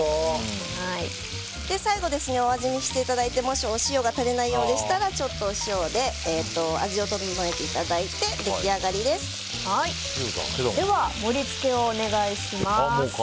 最後、お味見していただいてお塩が足りないようでしたらちょっとお塩で味を調えていただいてでは盛り付けをお願いします。